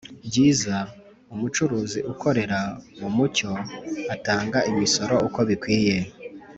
byiza. umucuruzi ukorera mu mucyo atanga imisoro uko bikwiye,